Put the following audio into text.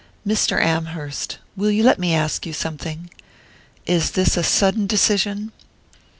"Mr. Amherst will you let me ask you something? Is this a sudden decision?"